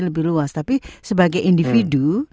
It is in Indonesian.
lebih luas tapi sebagai individu